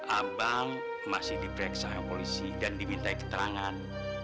abang masih diperiksa oleh polisi dan diminta keterangan